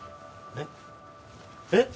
えっ？えっ？